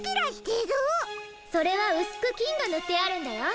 それはうすくきんがぬってあるんだよ。